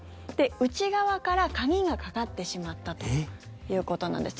内側から鍵がかかってしまったということなんです。